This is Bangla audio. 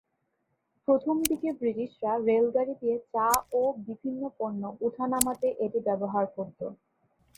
প্রথম দিকে ব্রিটিশরা রেলগাড়ি দিয়ে চা ও বিভিন্ন পণ্য উঠা-নামাতে এটি ব্যবহার করত।